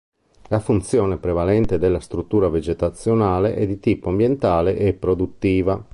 La funzione prevalente della struttura vegetazionale è di tipo ambientale e produttiva.